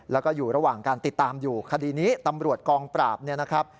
แล้วก็อยู่ระหว่างการติดตามอยู่คดีนี้ตำรวจกองปราบเนี่ยนะครับ